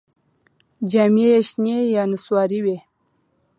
جامې یې شنې یا نسواري وې.